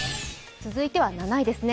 続いては７位ですね。